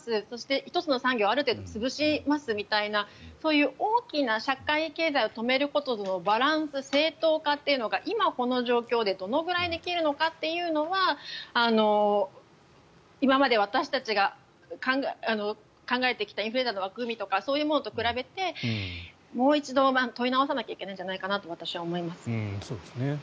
そして１つの産業をある程度、潰しますみたいなそういう大きな社会経済を止めることのバランス、正当化というのが今この状況でどのくらいできるのかというのは今まで、私たちが考えてきたインフルエンザの枠組みとかそういうものと比べてもう一度、問い直さなきゃいけないんじゃないかなと私は思いますね。